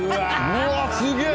うわっすげえ！